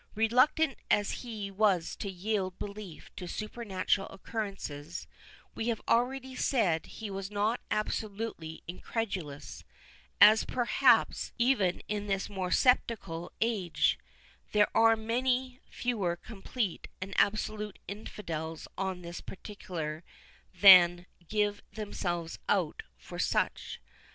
Reluctant as he was to yield belief to supernatural occurrences, we have already said he was not absolutely incredulous; as perhaps, even in this more sceptical age, there are many fewer complete and absolute infidels on this particular than give themselves out for such.